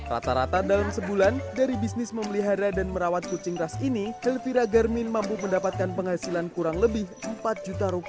rata rata dalam sebulan dari bisnis memelihara dan merawat kucing ras ini elvira garmin mampu mendapatkan penghasilan kurang lebih rp empat juta rupiah